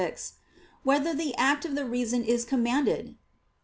6] Whether the Act of the Reason Is Commanded?